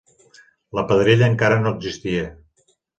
La Pradella encara no existia.